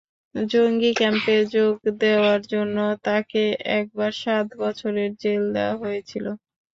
জঙ্গি ক্যাম্পে যোগ দেওয়ার জন্য তাঁকে একবার সাত বছরের জেল দেওয়া হয়েছিল।